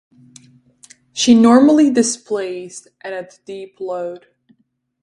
She normally displaced and at deep load.